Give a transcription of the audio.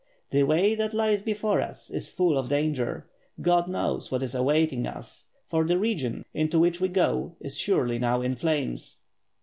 The way that lies before us is full of danger, God knows what is awaiting us> for the region into which we go is surely now in flames."